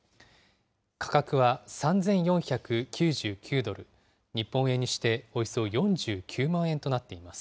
価格は３４９９ドル、日本円にしておよそ４９万円となっています。